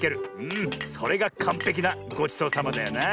うんそれがかんぺきなごちそうさまだよな。